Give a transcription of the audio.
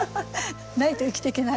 ないと生きていけない。